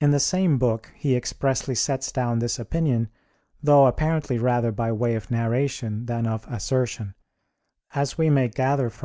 In the same book he expressly sets down this opinion, though apparently rather by way of narration than of assertion, as we may gather from _De Civ.